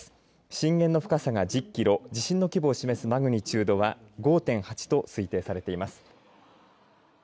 震源の深さが１０キロ地震の規模を示すマグニチュードは５．８と推定されています。